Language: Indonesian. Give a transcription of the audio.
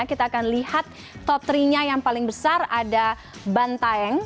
kita akan lihat top tiga nya yang paling besar ada bantaeng